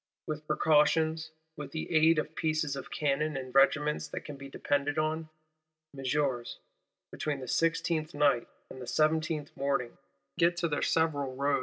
—With precautions, with the aid of pieces of cannon and regiments that can be depended on, Messeigneurs, between the 16th night and the 17th morning, get to their several roads.